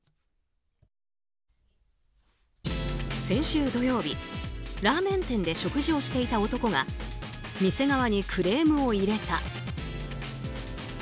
先週土曜日、ラーメン店で食事をしていた男が店側にクレームを入れた。